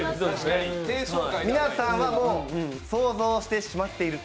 皆さんはもう想像してしまっている。